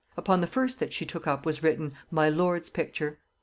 Upon the first that she took up was written 'My lord's picture.'